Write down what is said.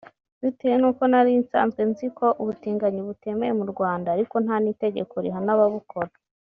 Bitewe n’uko nari nsanzwe nzi ko ubutinganyi butemewe mu Rwanda ariko nta n’itegeko rihana ababukora